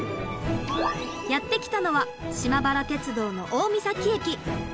やって来たのは島原鉄道の大三東駅。